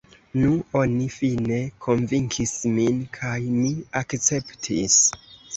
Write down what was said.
Nu, oni fine konvinkis min, kaj mi akceptis.